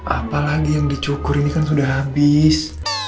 apa lagi yang dicukur ini kan sudah habis